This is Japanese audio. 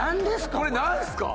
これなんですか？